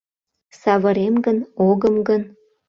Савырем гын, огым гын?